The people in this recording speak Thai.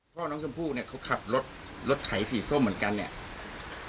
พ่อน้องชมพู่เนี่ยเขาขับรถรถไถสีส้มเหมือนกันเนี่ย